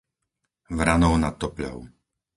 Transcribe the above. Vranov nad Topľou